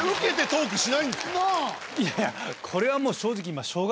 いやいやこれはもう正直今。